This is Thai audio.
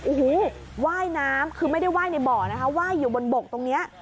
โอ้โหว่ายน้ำคือไม่ได้ไหว้ในบ่อนะคะไหว้อยู่บนบกตรงนี้